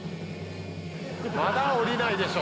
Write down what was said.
まだ下りないでしょ。